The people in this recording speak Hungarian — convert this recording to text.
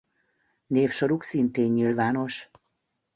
Névsoruk szintén nyilvános.